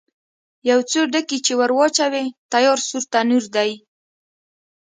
یو څو ډکي چې ور واچوې، تیار سور تنور دی.